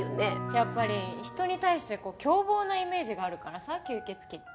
やっぱり人に対して凶暴なイメージがあるからさ吸血鬼って。